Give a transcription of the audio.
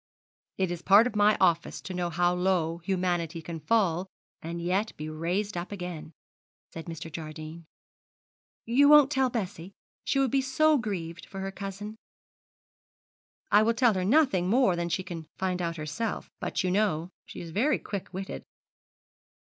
'It is part of my office to know how low humanity can fall and yet be raised up again,' said Mr. Jardine. 'You won't tell Bessie she would be so grieved for her cousin.' 'I will tell her nothing more than she can find out for herself. But you know she is very quick witted.'